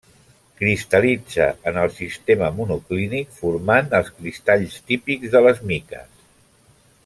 Cristal·litza en el sistema monoclínic formant els cristalls típics de les miques.